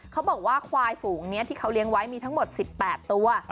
เขาบอกว่าควายฝูงนี้ที่เขาเลี้ยงไว้มีทั้งหมด๑๘ตัว